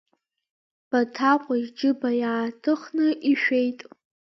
Баҭаҟәа иџьыба иааҭыхны ишәеит.